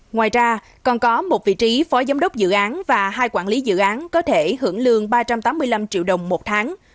ngoài ra còn có một vị trí phó giám đốc dự án và hai quản lý dự án có thể hưởng lương ba trăm tám mươi năm triệu đồng một tháng